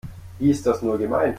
Wie ist das nur gemeint?